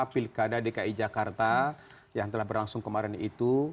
pilkada dki jakarta yang telah berlangsung kemarin itu